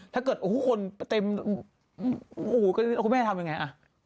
ถ้าเกิดคนเต็มอู๋ก็คุณแม่ทำยังไง